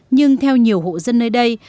nhưng theo nhiều hộ dân nơi đây